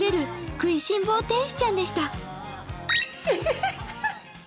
食いしん坊天使ちゃんでした。